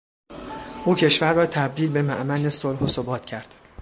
او کشور را تبدیل به مامن صلح و ثبات کرد.